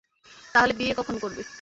তাহলে বিয়ে কখন করবে?